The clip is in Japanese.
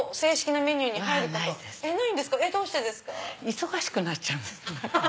忙しくなっちゃうんです。